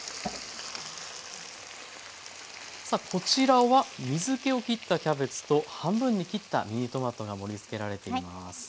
さあこちらは水けをきったキャベツと半分に切ったミニトマトが盛りつけられています。